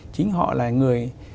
chính họ là người